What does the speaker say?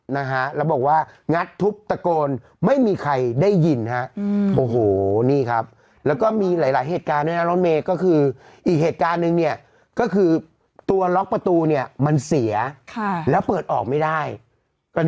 นะฮะแล้วบอกว่างัดทุบตะโกนไม่มีใครได้ยินฮะอืมโอ้โหนี่ครับ